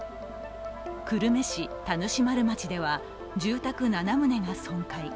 久留米市田主丸町では、住宅７棟が損壊。